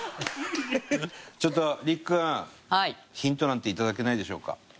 ちょっと陸君ヒントなんていただけないでしょうか？